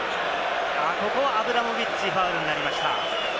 アブラモビッチ、ファウルになりました。